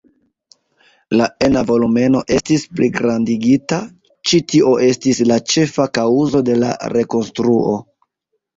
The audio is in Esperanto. La ena volumeno estis pligrandigita, ĉi tio estis la ĉefa kaŭzo de la rekonstruo.